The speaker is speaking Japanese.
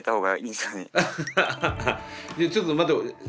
いやちょっと待って。